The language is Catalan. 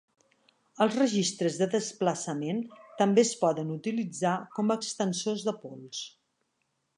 Els registres de desplaçament també es poden utilitzar com a extensors de pols.